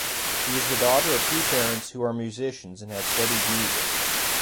She is the daughter of two parents who are musicians and have studied music.